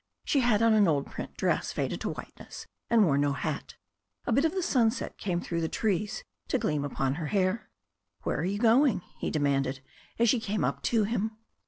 She had on an old print dress faded to whiteness, and wore no hat. A bit of the sunset came through the trees to gleam upon her hair. "Where are you going?" he demanded, as she came up to him.